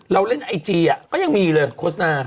เราเล่นไอจีก็ยังมีเลยโฆษณา